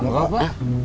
mau bau apa